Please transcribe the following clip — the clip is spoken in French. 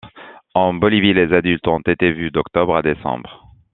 En Bolivie, les adultes ont été vus d'octobre à décembre.